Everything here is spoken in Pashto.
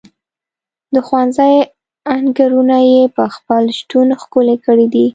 د ښوونځي انګړونه یې په خپل شتون ښکلي کړي دي.